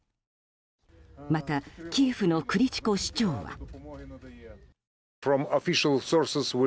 またキエフのクリチコ市長は。